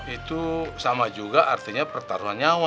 itu sama juga artinya pertarungan nyawa